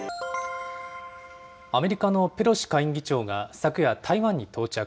アメリカのペロシ下院議長が昨夜、台湾に到着。